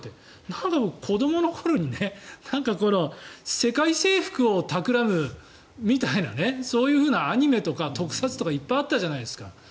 なんか僕、子どもの頃に世界征服をたくらむみたいなそういうアニメとか特撮とかいっぱいあったじゃないですか。